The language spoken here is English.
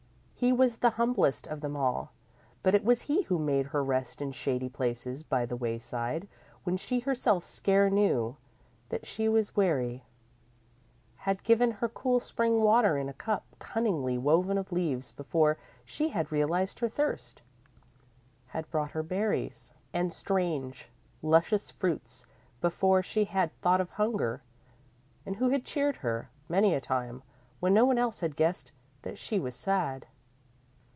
He was the humblest of them all, but it was he who made her rest in shady places by the wayside when she herself scarce knew that she was weary; had given her cool spring water in a cup cunningly woven of leaves before she had realised her thirst; had brought her berries and strange, luscious fruits before she had thought of hunger; and who had cheered her, many a time, when no one else had guessed that she was sad.